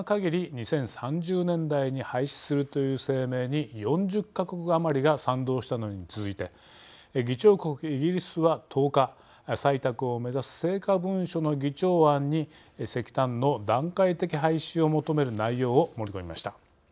２０３０年代に廃止するという声明に４０か国余りが賛同したのに続いて議長国イギリスは１０日採択を目指す成果文書の議長案に石炭の段階的廃止を求める内容を盛り込みました。